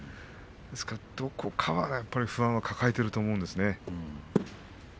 どこか不安を抱えていると思うんですね。